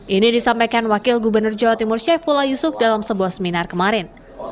ini disampaikan wakil gubernur jawa timur syaifullah yusuf dalam sebuah seminar kemarin